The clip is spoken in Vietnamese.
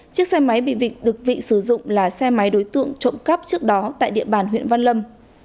chiếc xe máy bịch được vị sử dụng là xe máy đối tượng trộm cắp trước đó tại địa bàn huyện văn lâm